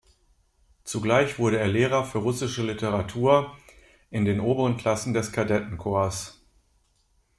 Zugleich wurde er Lehrer für russischen Literatur in den oberen Klassen des Kadettenkorps.